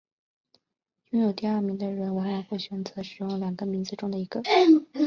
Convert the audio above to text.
拥有第二名的人往往会选择使用两个名字中的一个。